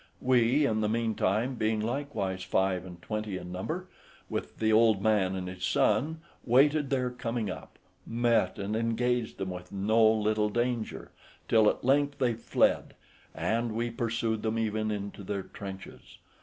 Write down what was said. We, in the meantime, being likewise five and twenty in number, with the old man and his son, waited their coming up, met, and engaged them with no little danger, till at length they fled, and we pursued them even into their trenches.